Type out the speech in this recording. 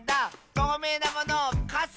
とうめいなものかさ！